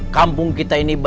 kampung kita ini berubah